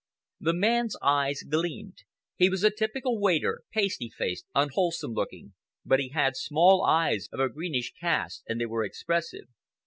The man's eyes gleamed. He was a typical waiter—pasty faced, unwholesome looking—but he had small eyes of a greenish cast, and they were expressive.